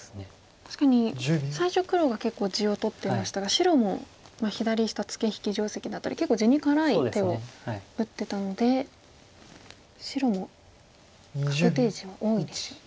確かに最初黒が結構地を取っていましたが白も左下ツケ引き定石だったり結構地に辛い手を打ってたので白も確定地は多いですよね。